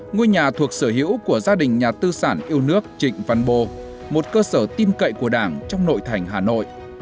ngôi nhà thuộc sở hữu của gia đình nhà tư sản yêu nước trịnh văn bồ một cơ sở tim cậy của đảng trong nội thành hà nội